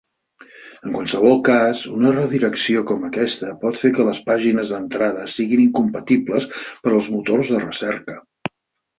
En qualsevol cas, una redirecció com aquesta pot fer que les pàgines d'entrada siguin incompatibles per als motors de recerca.